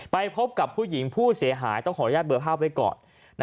ไปพบกับผู้หญิงผู้เสียหายต้องขออนุญาตเบอร์ภาพไว้ก่อน